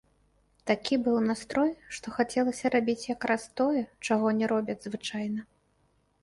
Такі быў настрой, што хацелася рабіць якраз тое, чаго не робяць звычайна.